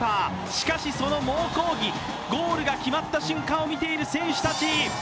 しかし、その猛抗議、ゴールが決まった瞬間を見ている選手たち。